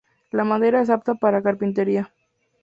La madera es apta para carpintería.